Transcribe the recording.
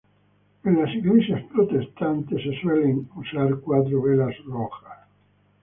En las Iglesias protestantes se suele usar cuatro velas rojas.